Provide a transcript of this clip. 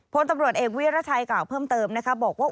พลตำรวจเอกวิรัชัยกล่าวเพิ่มเติมนะคะบอกว่า